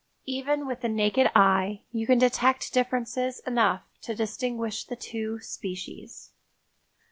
Even with the naked eye you can detect differences enough to distinguish the two species.